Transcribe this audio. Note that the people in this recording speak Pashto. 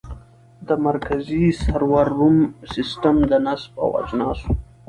د مرکزي سرور روم سیسټم د نصب او اجناسو